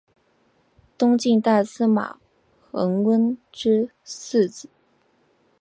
东晋大司马桓温之四子。